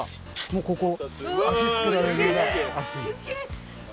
もうここ。